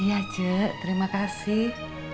iya cik terima kasih